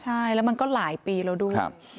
ใช่แล้วมันก็หลายปีเราดู